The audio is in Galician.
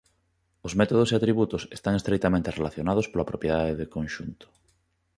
Os métodos e atributos están estreitamente relacionados pola propiedade de conxunto.